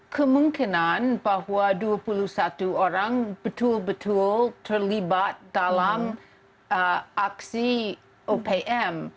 kemungkinan bahwa dua puluh satu orang betul betul terlibat dalam aksi opm